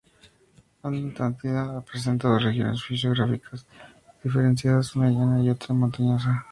Atlántida presenta dos regiones fisiográficas diferenciadas, una llana y otra montañosa.